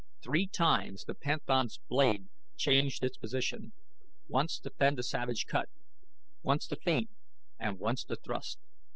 Three times the panthan's blade changed its position once to fend a savage cut; once to feint; and once to thrust.